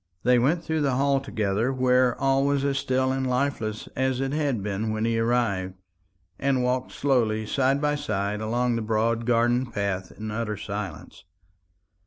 They went through the hall together, where all was as still and lifeless as it had been when he arrived, and walked slowly side by side along the broad garden path in utter silence.